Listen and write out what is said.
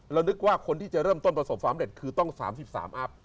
นึกว่าคนที่จะเริ่มต้นประสบความเร็จคือต้อง๓๓อัพ